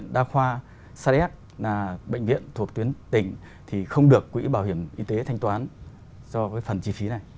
đa khoa sadek là bệnh viện thuộc tuyến tỉnh thì không được quỹ bảo hiểm y tế thanh toán do phần chi phí này